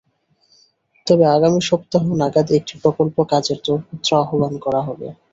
তবে আগামী সপ্তাহ নাগাদ একটি প্রকল্প কাজের দরপত্র আহ্বান করা হবে।